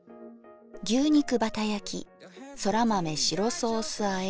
牛肉バタ焼きそら豆白ソースあえ